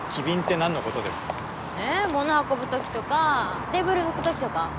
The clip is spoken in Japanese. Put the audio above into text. え物運ぶ時とかテーブル拭く時とか？